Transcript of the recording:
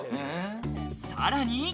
さらに。